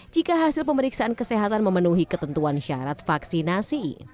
jika hasil pemeriksaan kesehatan memenuhi ketentuan syarat vaksinasi